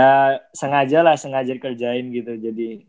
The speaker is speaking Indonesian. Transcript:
ya sengaja lah sengaja dikerjain gitu